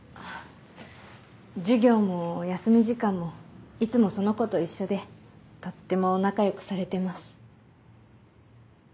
授業も休み時間もいつもその子と一緒でとっても仲良くされてます。